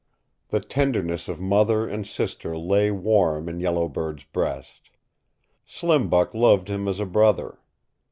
The tenderness of mother and sister lay warm in Yellow Bird's breast. Slim Buck loved him as a brother.